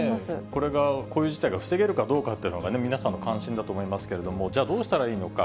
これが、こういう事態が防げるのかどうかというのが皆さんの関心だと思いますけれども、じゃあ、どうしたらいいのか。